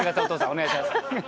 お願いします！